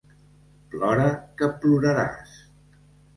Plora que ploraràs.